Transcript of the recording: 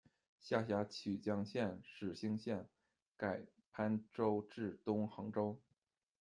下辖曲江县、始兴县，改番州置东衡州。